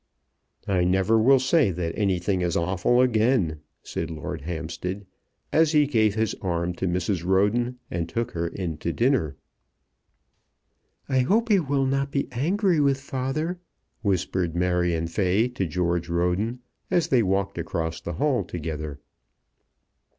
"I never will say that anything is awful again," said Lord Hampstead, as he gave his arm to Mrs. Roden, and took her in to dinner. "I hope he will not be angry with father," whispered Marion Fay to George Roden, as they walked across the hall together.